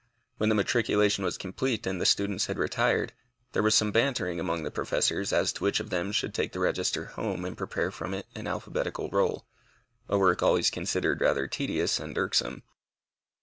When the matriculation was complete and the students had retired, there was some bantering among the professors as to which of them should take the register home and prepare from it an alphabetical roll, a work always considered rather tedious and irksome.